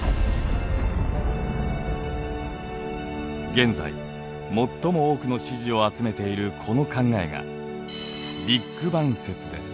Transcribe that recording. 現在最も多くの支持を集めているこの考えがビッグバン説です。